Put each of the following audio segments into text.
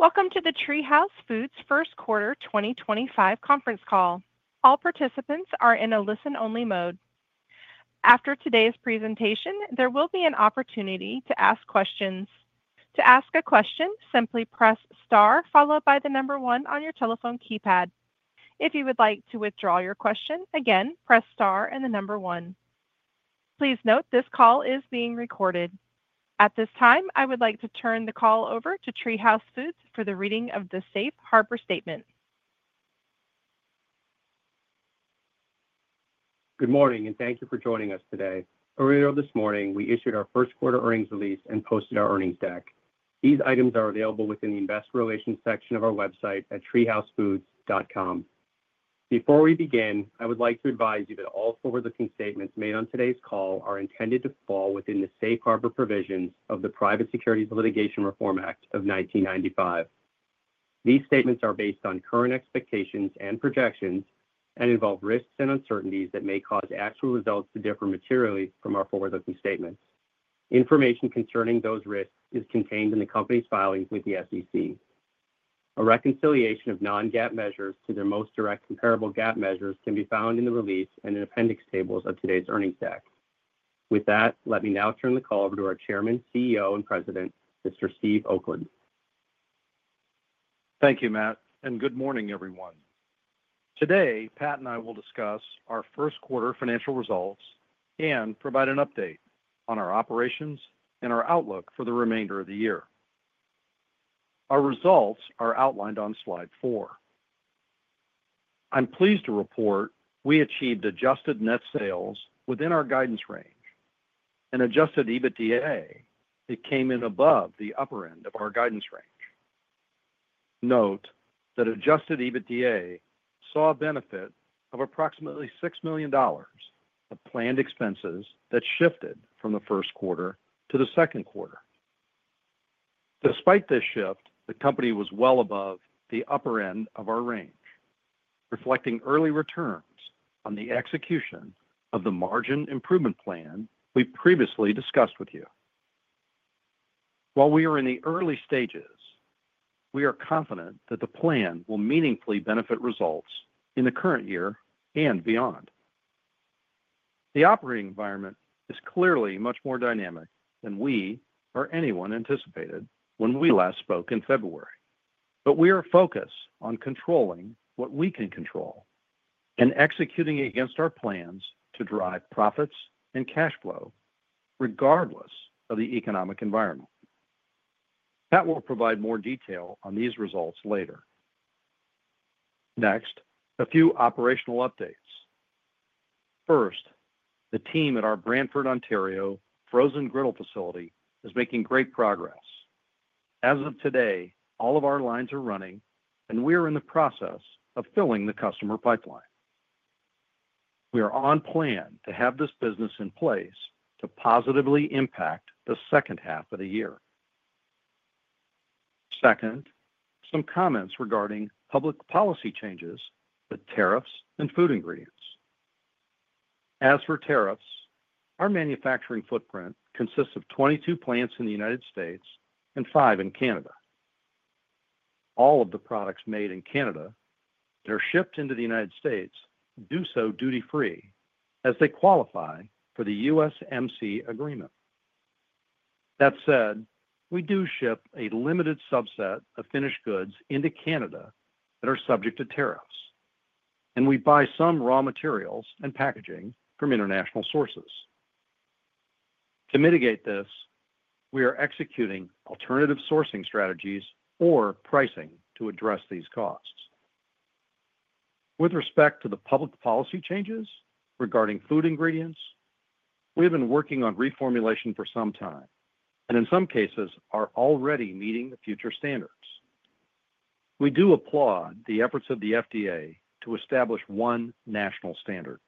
Welcome to the TreeHouse Foods first quarter 2025 conference call. All participants are in a listen-only mode. After today's presentation, there will be an opportunity to ask questions. To ask a question, simply press star followed by the number one on your telephone keypad. If you would like to withdraw your question, again, press star and the number one. Please note this call is being recorded. At this time, I would like to turn the call over to TreeHouse Foods for the reading of the Safe Harbor Statement. Good morning, and thank you for joining us today. Earlier this morning, we issued our first quarter earnings release and posted our earnings deck. These items are available within the investor relations section of our website at treehousefoods.com. Before we begin, I would like to advise you that all forward-looking statements made on today's call are intended to fall within the Safe Harbor provisions of the Private Securities Litigation Reform Act of 1995. These statements are based on current expectations and projections and involve risks and uncertainties that may cause actual results to differ materially from our forward-looking statements. Information concerning those risks is contained in the company's filings with the SEC. A reconciliation of non-GAAP measures to their most direct comparable GAAP measures can be found in the release and in appendix tables of today's earnings deck. With that, let me now turn the call over to our Chairman, CEO, and President, Mr. Steve Oakland. Thank you, Matt, and good morning, everyone. Today, Pat and I will discuss our first quarter financial results and provide an update on our operations and our outlook for the remainder of the year. Our results are outlined on slide four. I'm pleased to report we achieved adjusted net sales within our guidance range. In Adjusted EBITDA, it came in above the upper end of our guidance range. Note that Adjusted EBITDA saw a benefit of approximately $6 million of planned expenses that shifted from the first quarter to the second quarter. Despite this shift, the company was well above the upper end of our range, reflecting early returns on the execution of the margin improvement plan we previously discussed with you. While we are in the early stages, we are confident that the plan will meaningfully benefit results in the current year and beyond. The operating environment is clearly much more dynamic than we or anyone anticipated when we last spoke in February, but we are focused on controlling what we can control and executing against our plans to drive profits and cash flow regardless of the economic environment. Pat will provide more detail on these results later. Next, a few operational updates. First, the team at our Brantford, Ontario, frozen griddle facility is making great progress. As of today, all of our lines are running, and we are in the process of filling the customer pipeline. We are on plan to have this business in place to positively impact the second half of the year. Second, some comments regarding public policy changes with tariffs and food ingredients. As for tariffs, our manufacturing footprint consists of 22 plants in the United States and five in Canada. All of the products made in Canada that are shipped into the United States do so duty-free as they qualify for the USMCA agreement. That said, we do ship a limited subset of finished goods into Canada that are subject to tariffs, and we buy some raw materials and packaging from international sources. To mitigate this, we are executing alternative sourcing strategies or pricing to address these costs. With respect to the public policy changes regarding food ingredients, we have been working on reformulation for some time and in some cases are already meeting the future standards. We do applaud the efforts of the FDA to establish one national standard.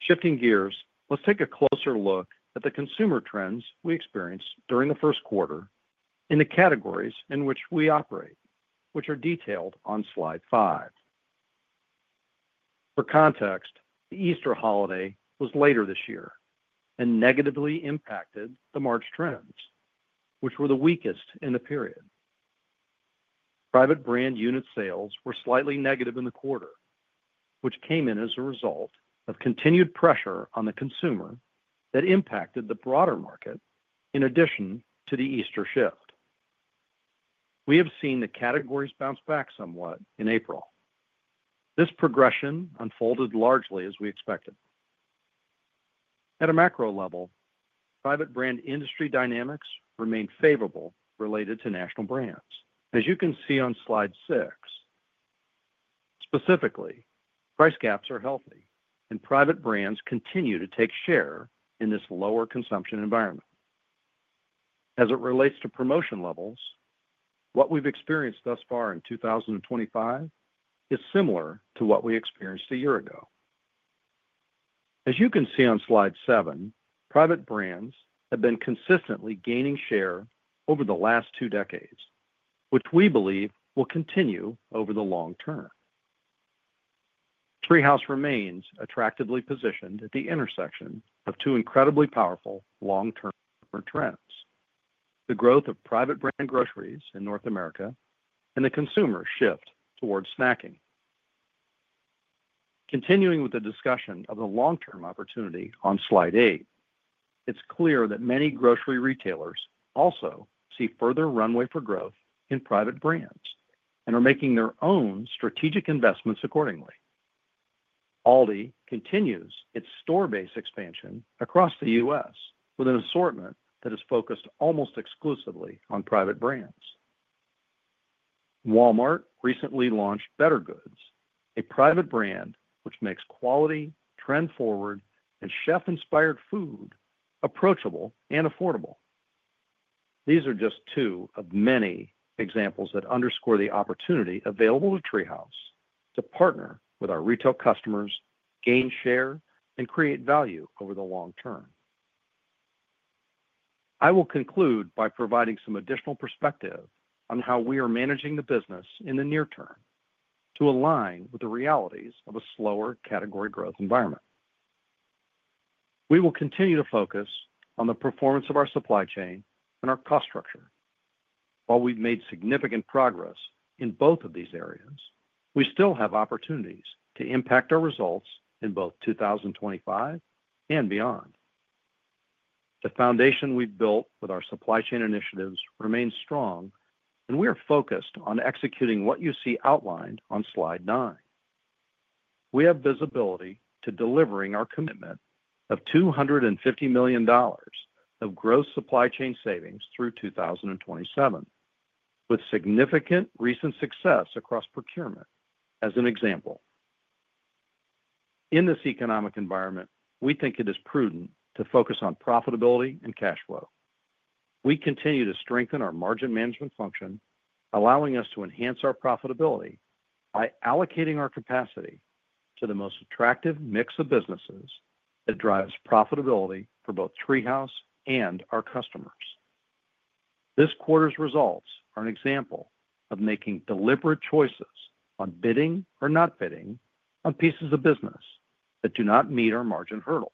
Shifting gears, let's take a closer look at the consumer trends we experienced during the first quarter in the categories in which we operate, which are detailed on slide five. For context, the Easter holiday was later this year and negatively impacted the March trends, which were the weakest in the period. Private brand unit sales were slightly negative in the quarter, which came in as a result of continued pressure on the consumer that impacted the broader market in addition to the Easter shift. We have seen the categories bounce back somewhat in April. This progression unfolded largely as we expected. At a macro level, private brand industry dynamics remain favorable related to national brands. As you can see on slide six, specifically, price gaps are healthy and private brands continue to take share in this lower consumption environment. As it relates to promotion levels, what we've experienced thus far in 2024 is similar to what we experienced a year ago. As you can see on slide seven, private brands have been consistently gaining share over the last two decades, which we believe will continue over the long term. TreeHouse remains attractively positioned at the intersection of two incredibly powerful long-term trends: the growth of private brand groceries in North America and the consumer shift towards snacking. Continuing with the discussion of the long-term opportunity on slide eight, it's clear that many grocery retailers also see further runway for growth in private brands and are making their own strategic investments accordingly. Aldi continues its store-based expansion across the U.S. with an assortment that is focused almost exclusively on private brands. Walmart recently launched Better Goods, a private brand which makes quality, trend-forward, and chef-inspired food approachable and affordable. These are just two of many examples that underscore the opportunity available to TreeHouse to partner with our retail customers, gain share, and create value over the long term. I will conclude by providing some additional perspective on how we are managing the business in the near term to align with the realities of a slower category growth environment. We will continue to focus on the performance of our supply chain and our cost structure. While we've made significant progress in both of these areas, we still have opportunities to impact our results in both 2025 and beyond. The foundation we've built with our supply chain initiatives remains strong, and we are focused on executing what you see outlined on slide nine. We have visibility to delivering our commitment of $250 million of gross supply chain savings through 2027, with significant recent success across procurement as an example. In this economic environment, we think it is prudent to focus on profitability and cash flow. We continue to strengthen our margin management function, allowing us to enhance our profitability by allocating our capacity to the most attractive mix of businesses that drives profitability for both TreeHouse and our customers. This quarter's results are an example of making deliberate choices on bidding or not bidding on pieces of business that do not meet our margin hurdles.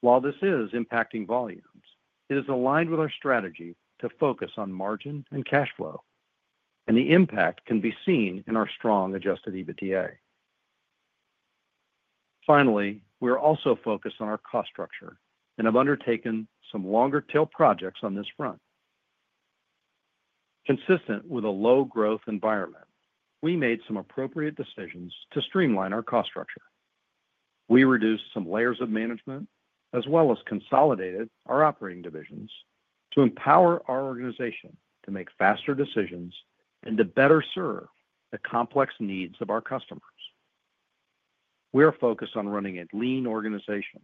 While this is impacting volumes, it is aligned with our strategy to focus on margin and cash flow, and the impact can be seen in our strong Adjusted EBITDA. Finally, we are also focused on our cost structure and have undertaken some longer-tail projects on this front. Consistent with a low-growth environment, we made some appropriate decisions to streamline our cost structure. We reduced some layers of management as well as consolidated our operating divisions to empower our organization to make faster decisions and to better serve the complex needs of our customers. We are focused on running a lean organization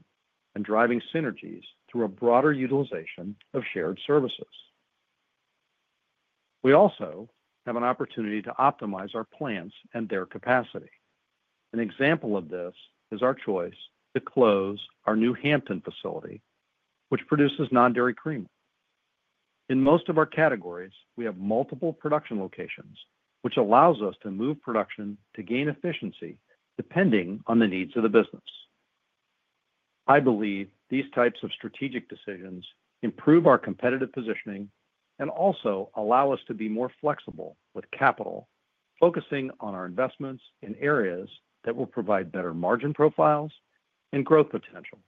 and driving synergies through a broader utilization of shared services. We also have an opportunity to optimize our plants and their capacity. An example of this is our choice to close our New Hampton facility, which produces non-dairy cream. In most of our categories, we have multiple production locations, which allows us to move production to gain efficiency depending on the needs of the business. I believe these types of strategic decisions improve our competitive positioning and also allow us to be more flexible with capital, focusing on our investments in areas that will provide better margin profiles and growth potential,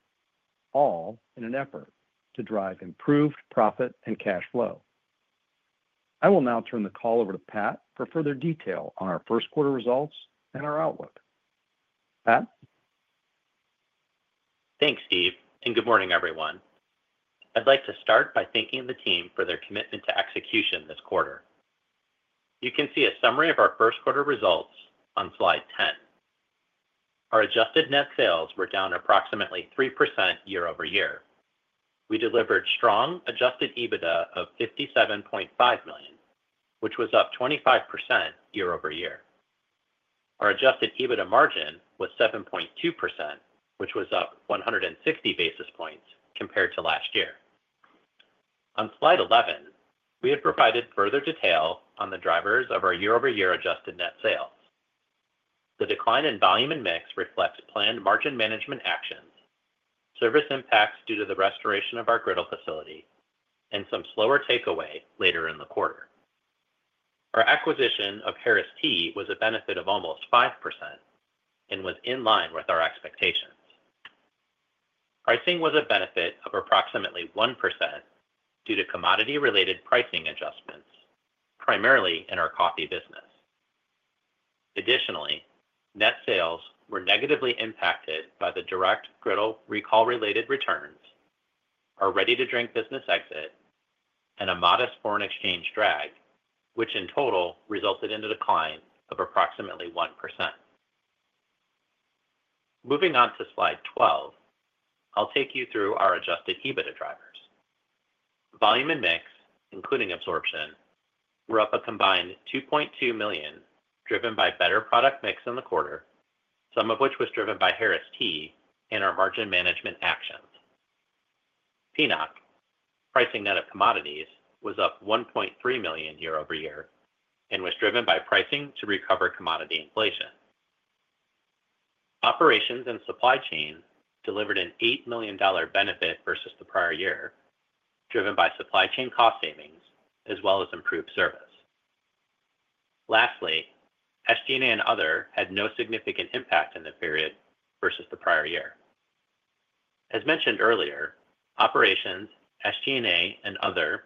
all in an effort to drive improved profit and cash flow. I will now turn the call over to Pat for further detail on our first quarter results and our outlook. Pat? Thanks, Steve, and good morning, everyone. I'd like to start by thanking the team for their commitment to execution this quarter. You can see a summary of our first quarter results on slide 10. Our adjusted net sales were down approximately 3% year-over-year. We delivered strong Adjusted EBITDA of $57.5 million, which was up 25% year-over-year. Our Adjusted EBITDA margin was 7.2%, which was up 160 basis points compared to last year. On slide 11, we had provided further detail on the drivers of our year-over-year adjusted net sales. The decline in volume and mix reflects planned margin management actions, service impacts due to the restoration of our griddle facility, and some slower takeaway later in the quarter. Our acquisition of Harris Tea was a benefit of almost 5% and was in line with our expectations. Pricing was a benefit of approximately 1% due to commodity-related pricing adjustments, primarily in our coffee business. Additionally, net sales were negatively impacted by the direct griddle recall-related returns, our ready-to-drink business exit, and a modest foreign exchange drag, which in total resulted in a decline of approximately 1%. Moving on to slide 12, I'll take you through our Adjusted EBITDA drivers. Volume and mix, including absorption, were up a combined 2.2 million driven by better product mix in the quarter, some of which was driven by Harris Tea and our margin management actions. PNOC, pricing net of commodities, was up $1.3 million year-over-year and was driven by pricing to recover commodity inflation. Operations and supply chain delivered an $8 million benefit versus the prior year, driven by supply chain cost savings as well as improved service. Lastly, SG&A and Other had no significant impact in the period versus the prior year. As mentioned earlier, operations, SG&A, and Other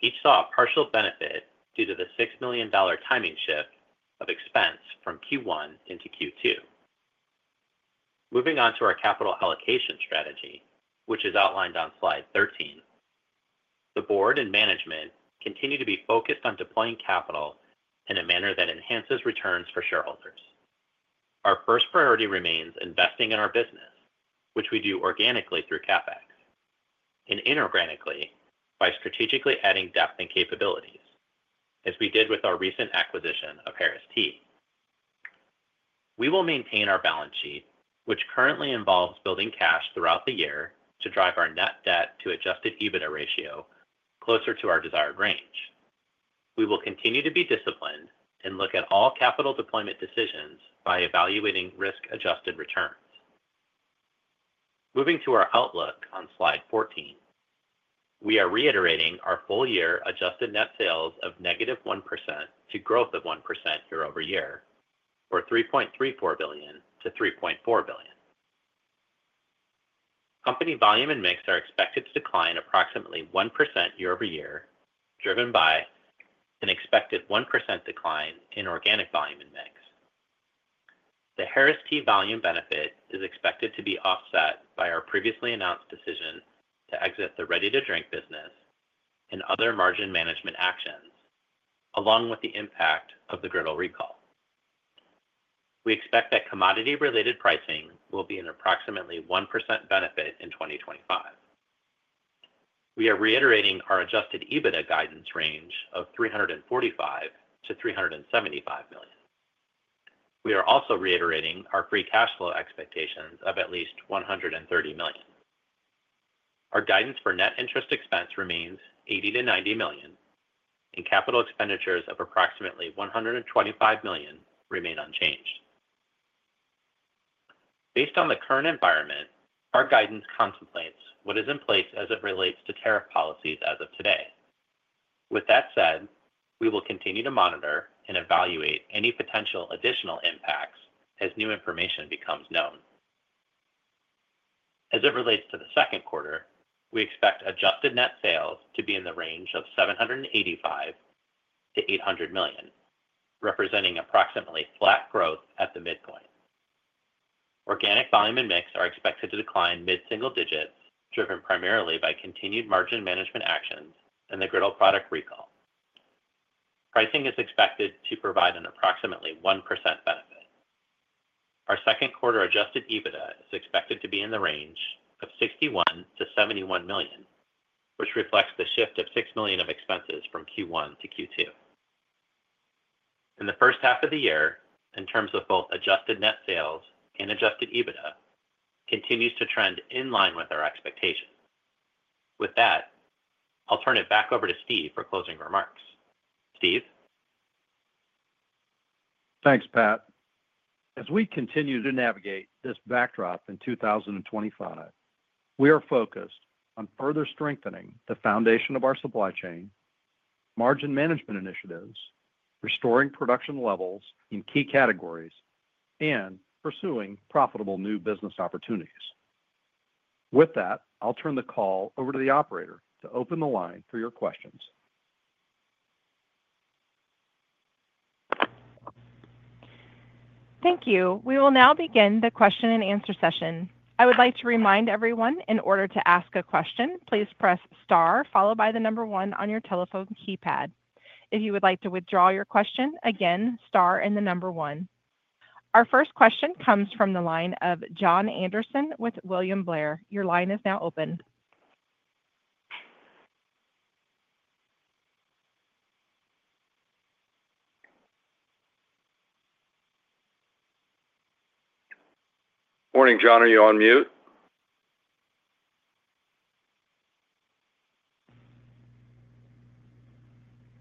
each saw a partial benefit due to the $6 million timing shift of expense from Q1 into Q2. Moving on to our capital allocation strategy, which is outlined on slide 13, the board and management continue to be focused on deploying capital in a manner that enhances returns for shareholders. Our first priority remains investing in our business, which we do organically through CapEx and inorganically by strategically adding depth and capabilities, as we did with our recent acquisition of Harris Tea. We will maintain our balance sheet, which currently involves building cash throughout the year to drive our net debt to Adjusted EBITDA ratio closer to our desired range. We will continue to be disciplined and look at all capital deployment decisions by evaluating risk-adjusted returns. Moving to our outlook on slide 14, we are reiterating our full-year adjusted net sales of -1% to growth of 1% year-over-year for $3.34 billion-$3.4 billion. Company volume and mix are expected to decline approximately 1% year-over-year, driven by an expected 1% decline in organic volume and mix. The Harris Tea volume benefit is expected to be offset by our previously announced decision to exit the ready-to-drink business and other margin management actions, along with the impact of the griddle recall. We expect that commodity-related pricing will be an approximately 1% benefit in 2025. We are reiterating our Adjusted EBITDA guidance range of $345 million-$375 million. We are also reiterating our free cash flow expectations of at least $130 million. Our guidance for net interest expense remains $80 million-$90 million, and capital expenditures of approximately $125 million remain unchanged. Based on the current environment, our guidance contemplates what is in place as it relates to tariff policies as of today. With that said, we will continue to monitor and evaluate any potential additional impacts as new information becomes known. As it relates to the second quarter, we expect adjusted net sales to be in the range of $785 million-$800 million, representing approximately flat growth at the midpoint. Organic volume and mix are expected to decline mid-single digits, driven primarily by continued margin management actions and the griddle product recall. Pricing is expected to provide an approximately 1% benefit. Our second quarter Adjusted EBITDA is expected to be in the range of $61 million-$71 million, which reflects the shift of $6 million of expenses from Q1 to Q2. In the first half of the year, in terms of both adjusted net sales and Adjusted EBITDA, it continues to trend in line with our expectations. With that, I'll turn it back over to Steve for closing remarks. Steve? Thanks, Pat. As we continue to navigate this backdrop in 2025, we are focused on further strengthening the foundation of our supply chain, margin management initiatives, restoring production levels in key categories, and pursuing profitable new business opportunities. With that, I'll turn the call over to the operator to open the line for your questions. Thank you. We will now begin the question-and-answer session. I would like to remind everyone, in order to ask a question, please press star followed by the number one on your telephone keypad. If you would like to withdraw your question, again, star and the number one. Our first question comes from the line of Jon Andersen with William Blair. Your line is now open. Morning, Jon. Are you on mute?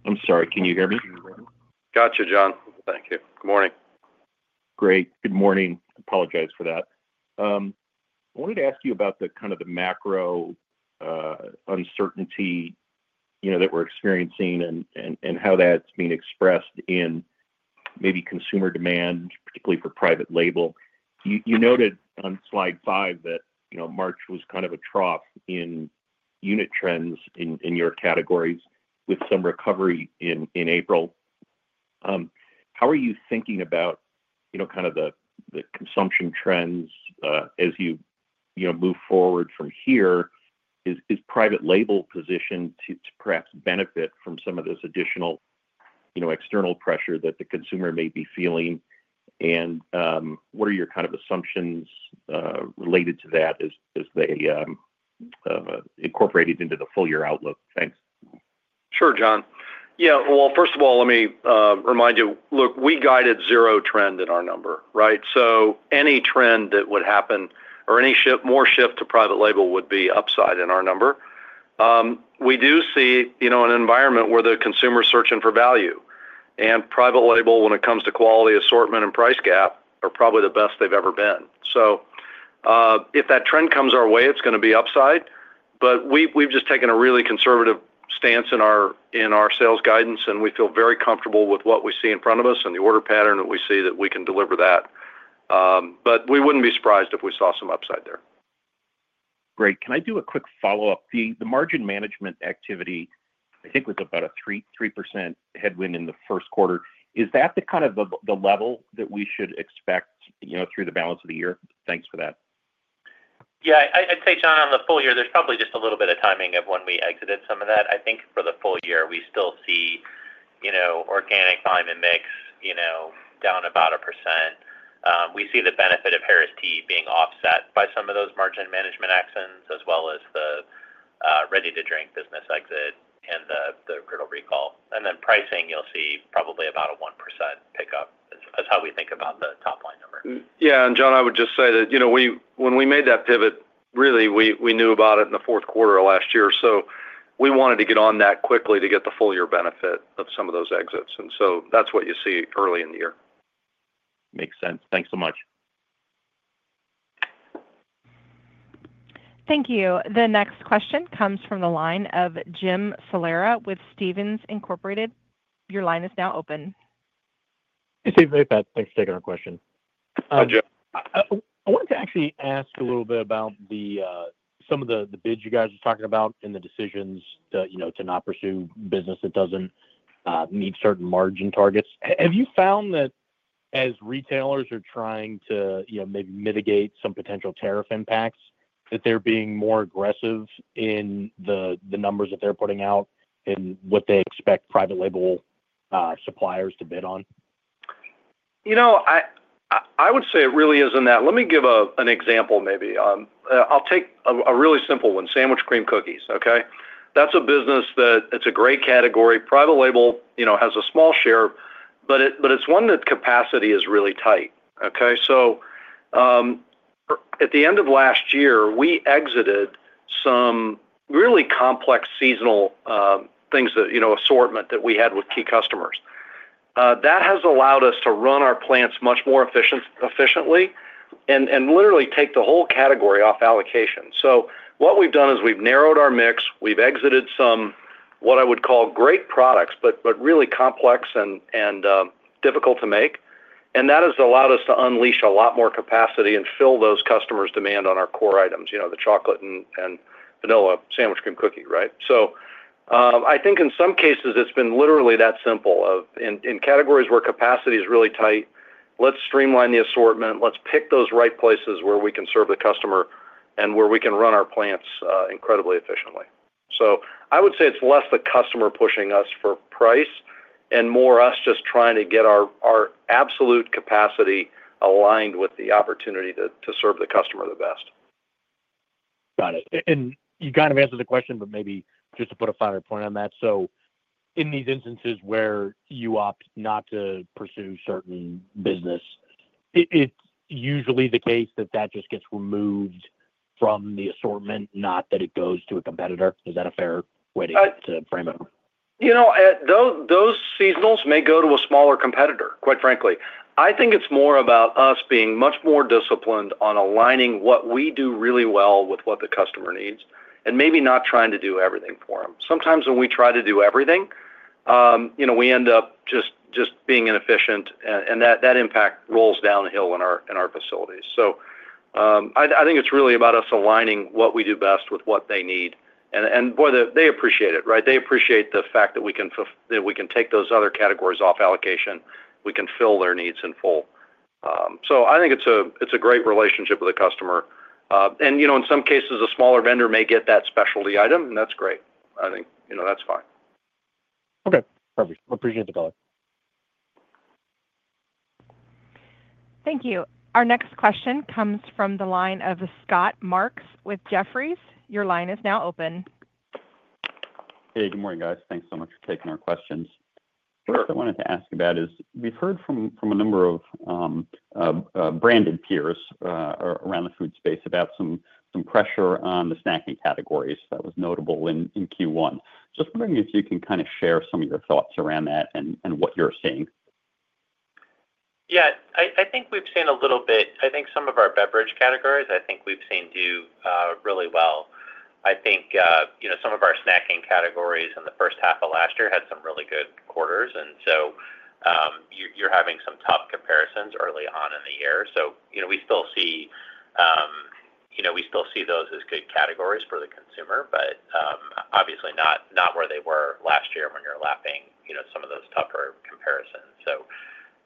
I'm sorry. Can you hear me? Gotcha, Jon. Thank you. Good morning. Great. Good morning. Apologize for that. I wanted to ask you about the kind of the macro uncertainty that we're experiencing and how that's being expressed in maybe consumer demand, particularly for private label. You noted on slide five that March was kind of a trough in unit trends in your categories with some recovery in April. How are you thinking about kind of the consumption trends as you move forward from here? Is private label positioned to perhaps benefit from some of this additional external pressure that the consumer may be feeling? What are your kind of assumptions related to that as they incorporate it into the full-year outlook? Thanks. Sure, Jon. First of all, let me remind you, look, we guided zero trend in our number, right? Any trend that would happen or any more shift to private label would be upside in our number. We do see an environment where the consumer is searching for value. Private label, when it comes to quality assortment and price gap, are probably the best they've ever been. If that trend comes our way, it's going to be upside. We have just taken a really conservative stance in our sales guidance, and we feel very comfortable with what we see in front of us and the order pattern that we see that we can deliver that. We would not be surprised if we saw some upside there. Great. Can I do a quick follow-up? The margin management activity, I think, was about a 3% headwind in the first quarter. Is that kind of the level that we should expect through the balance of the year? Thanks for that. Yeah. I'd say, Jon, on the full year, there's probably just a little bit of timing of when we exited some of that. I think for the full year, we still see organic volume and mix down about 1%. We see the benefit of Harris Tea being offset by some of those margin management actions as well as the ready-to-drink business exit and the griddle recall. Pricing, you'll see probably about a 1% pickup is how we think about the top-line number. Yeah. Jon, I would just say that when we made that pivot, really, we knew about it in the fourth quarter of last year. We wanted to get on that quickly to get the full-year benefit of some of those exits. That is what you see early in the year. Makes sense. Thanks so much. Thank you. The next question comes from the line of Jim Salera with Stephens Incorporated. Your line is now open. Hey, Steve. Hey, Pat. Thanks for taking our question. Hi, Jim. I wanted to actually ask a little bit about some of the bids you guys are talking about and the decisions to not pursue business that doesn't meet certain margin targets. Have you found that as retailers are trying to maybe mitigate some potential tariff impacts, that they're being more aggressive in the numbers that they're putting out and what they expect private label suppliers to bid on? I would say it really is in that. Let me give an example maybe. I'll take a really simple one, sandwich cream cookies, okay? That's a business that it's a gray category. Private label has a small share, but it's one that capacity is really tight, okay? At the end of last year, we exited some really complex seasonal things, that assortment that we had with key customers. That has allowed us to run our plants much more efficiently and literally take the whole category off allocation. What we've done is we've narrowed our mix. We've exited some, what I would call great products, but really complex and difficult to make. That has allowed us to unleash a lot more capacity and fill those customers' demand on our core items, the chocolate and vanilla sandwich cream cookie, right? I think in some cases, it's been literally that simple of in categories where capacity is really tight, let's streamline the assortment. Let's pick those right places where we can serve the customer and where we can run our plants incredibly efficiently. I would say it's less the customer pushing us for price and more us just trying to get our absolute capacity aligned with the opportunity to serve the customer the best. Got it. You kind of answered the question, but maybe just to put a finer point on that. In these instances where you opt not to pursue certain business, it's usually the case that that just gets removed from the assortment, not that it goes to a competitor? Is that a fair way to frame it? Those seasonals may go to a smaller competitor, quite frankly. I think it's more about us being much more disciplined on aligning what we do really well with what the customer needs and maybe not trying to do everything for them. Sometimes when we try to do everything, we end up just being inefficient, and that impact rolls downhill in our facilities. I think it's really about us aligning what we do best with what they need. And boy, they appreciate it, right? They appreciate the fact that we can take those other categories off allocation. We can fill their needs in full. I think it's a great relationship with the customer. In some cases, a smaller vendor may get that specialty item, and that's great. I think that's fine. Okay. Perfect. Appreciate the call. Thank you. Our next question comes from the line of Scott Marks with Jefferies. Your line is now open. Hey, good morning, guys. Thanks so much for taking our questions. Sure. What I wanted to ask about is we've heard from a number of branded peers around the food space about some pressure on the snacking categories that was notable in Q1. Just wondering if you can kind of share some of your thoughts around that and what you're seeing. Yeah. I think we've seen a little bit, I think some of our beverage categories, I think we've seen do really well. I think some of our snacking categories in the first half of last year had some really good quarters. You are having some tough comparisons early on in the year. We still see those as good categories for the consumer, but obviously not where they were last year when you're lapping some of those tougher comparisons.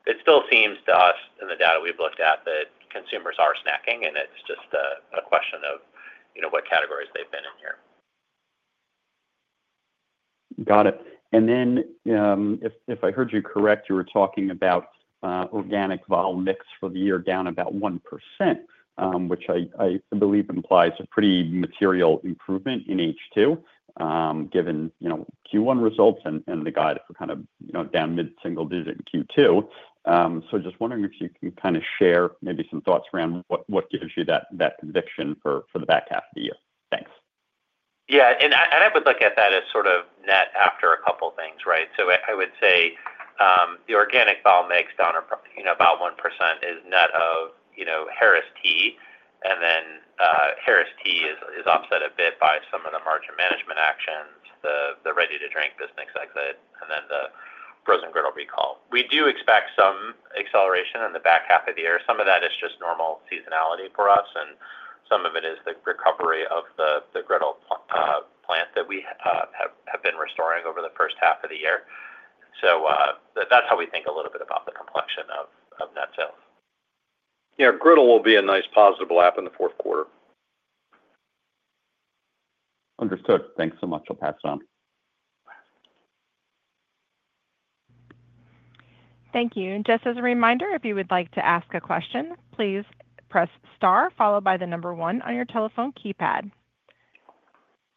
It still seems to us in the data we've looked at that consumers are snacking, and it's just a question of what categories they've been in here. Got it. If I heard you correct, you were talking about organic volume mix for the year down about 1%, which I believe implies a pretty material improvement in H2 given Q1 results and the guide for kind of down mid-single digit in Q2. Just wondering if you can kind of share maybe some thoughts around what gives you that conviction for the back half of the year. Thanks. Yeah. I would look at that as sort of net after a couple of things, right? I would say the organic volume mix down about 1% is net of Harris Tea. Harris Tea is offset a bit by some of the margin management actions, the ready-to-drink business exit, and the frozen griddle recall. We do expect some acceleration in the back half of the year. Some of that is just normal seasonality for us, and some of it is the recovery of the griddle plant that we have been restoring over the first half of the year. That is how we think a little bit about the complexion of net sales. Yeah. Griddle will be a nice positive lap in the fourth quarter. Understood. Thanks so much. I'll pass it on. Thank you. Just as a reminder, if you would like to ask a question, please press star followed by the number one on your telephone keypad.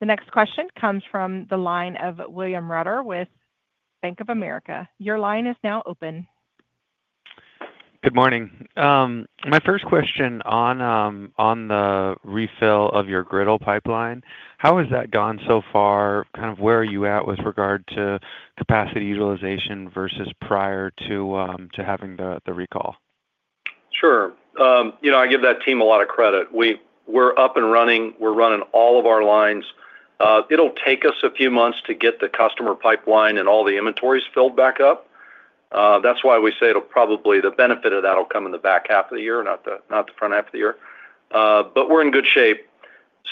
The next question comes from the line of William Reuter with Bank of America. Your line is now open. Good morning. My first question on the refill of your griddle pipeline. How has that gone so far? Kind of where are you at with regard to capacity utilization versus prior to having the recall? Sure. I give that team a lot of credit. We're up and running. We're running all of our lines. It'll take us a few months to get the customer pipeline and all the inventories filled back up. That's why we say it'll probably the benefit of that will come in the back half of the year, not the front half of the year. We are in good shape.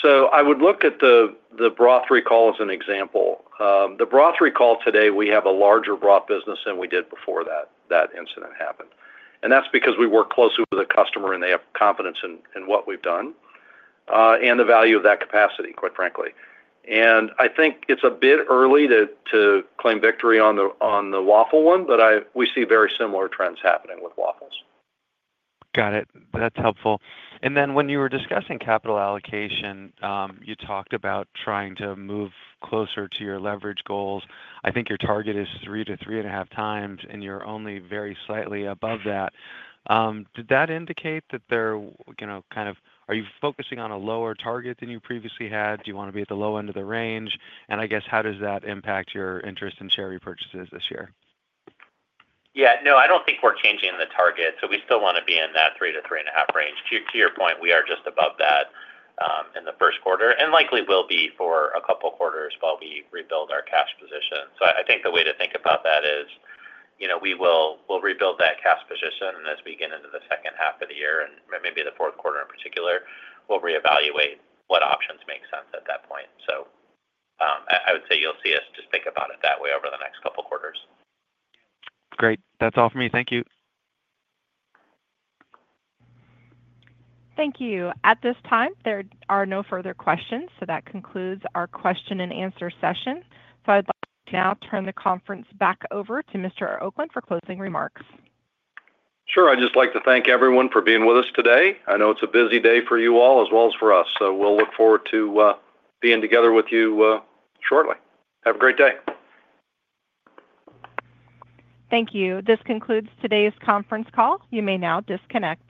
I would look at the broth recall as an example. The broth recall today, we have a larger broth business than we did before that incident happened. That's because we work closely with a customer, and they have confidence in what we've done and the value of that capacity, quite frankly. I think it's a bit early to claim victory on the waffle one, but we see very similar trends happening with waffles. Got it. That's helpful. When you were discussing capital allocation, you talked about trying to move closer to your leverage goals. I think your target is 3x-3.5x, and you're only very slightly above that. Did that indicate that they're kind of, are you focusing on a lower target than you previously had? Do you want to be at the low end of the range? I guess how does that impact your interest in share repurchases this year? Yeah. No, I do not think we are changing the target. We still want to be in that three to three and a half range. To your point, we are just above that in the first quarter and likely will be for a couple of quarters while we rebuild our cash position. I think the way to think about that is we will rebuild that cash position, and as we get into the second half of the year and maybe the fourth quarter in particular, we will reevaluate what options make sense at that point. I would say you will see us just think about it that way over the next couple of quarters. Great. That's all for me. Thank you. Thank you. At this time, there are no further questions. That concludes our question-and-answer session. I'd like to now turn the conference back over to Mr. Oakland for closing remarks. Sure. I'd just like to thank everyone for being with us today. I know it's a busy day for you all as well as for us. We'll look forward to being together with you shortly. Have a great day. Thank you. This concludes today's conference call. You may now disconnect.